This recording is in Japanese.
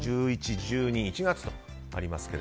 １１、１２、１月とありますが。